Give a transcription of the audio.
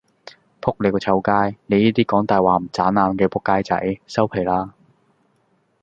仆你個臭街，你依啲講大話唔眨眼嘅仆街仔，收皮啦